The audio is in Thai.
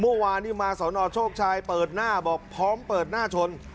เมื่อวานนี้มาสอนอโชคชัยเปิดหน้าบอกพร้อมเปิดหน้าชน